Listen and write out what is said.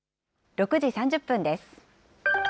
６時３０分です。